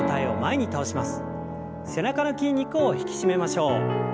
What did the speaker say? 背中の筋肉を引き締めましょう。